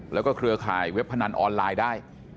แล้วก็เครือข่ายเว็บพนันออนไลน์ได้